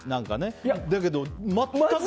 だけど、全く。